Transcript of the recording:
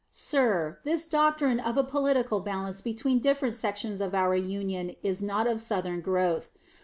Sir, this doctrine of a political balance between different sections of our Union is not of Southern growth.